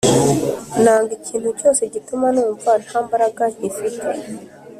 Nanga ikintu cyose gituma numva ntambaraga nkifite